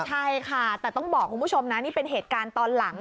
ใช่ค่ะแต่ต้องบอกคุณผู้ชมนะนี่เป็นเหตุการณ์ตอนหลัง